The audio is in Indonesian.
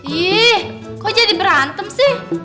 ih kok jadi berantem sih